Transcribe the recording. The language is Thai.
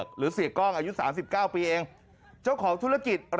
กูเรียกเขาจริงเรียกเขาจริง